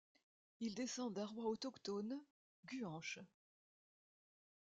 Il descend d'un roi autochtone Guanche.